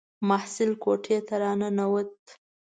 محصل کوټې ته را ننووت.